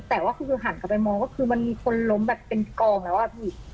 แต่ว่าคือหันกลับไปมองก็คือมันมีคนล้มแบบเป็นกองแล้วอะพี่